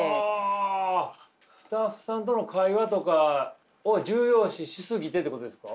あスタッフさんとの会話とかを重要視し過ぎてってことですか？